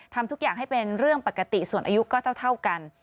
ทำทุกอย่างให้เป็นเรื่องปกติส่วนอายุก็เท่ากัน